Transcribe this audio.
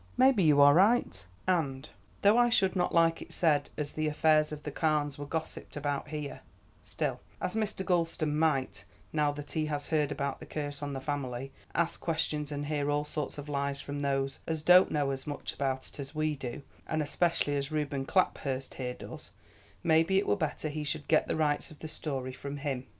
"Maybe you are right; and, though I should not like it said as the affairs of the Carnes were gossiped about here, still, as Mr. Gulston might, now that he has heard about the curse on the family, ask questions and hear all sorts of lies from those as don't know as much about it as we do, and especially as Reuben Claphurst here does, maybe it were better he should get the rights of the story from him."